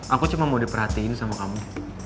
aku cuma mau diperhatiin sama kamu